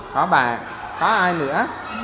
có bà có ai nữa